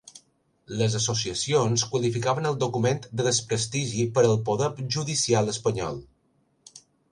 Les associacions qualificaven el document de desprestigi per al poder judicial espanyol.